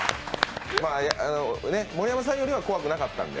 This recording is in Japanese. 盛山さんよりは怖くなかったんで。